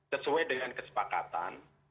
sesuai dengan kesepakatan